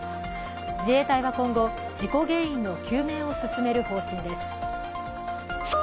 自衛隊は今後、事故原因の究明を進める方針です。